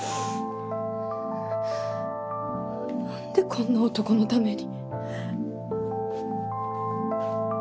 なんでこんな男のために。